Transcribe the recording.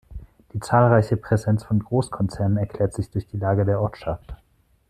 Die zahlreiche Präsenz von Großkonzernen erklärt sich durch die Lage der Ortschaft.